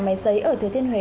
nhà máy giấy ở thừa thiên huế